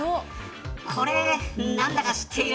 これ何だか知ってる。